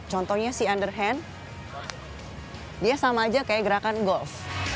contohnya si underhand dia sama aja kayak gerakan golf